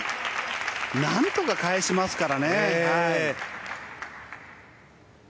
何とか返しますからね。